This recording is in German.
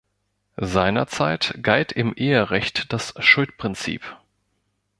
Seinerzeit galt im Eherecht das Schuldprinzip.